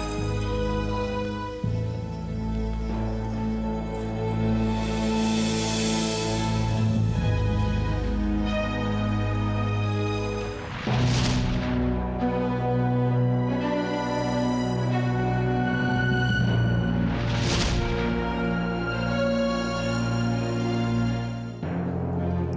siapa mah kamu